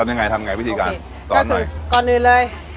ทำยังไงทำยังไงวิธีการซอสหน่อยก็คือก่อนอื่นเลย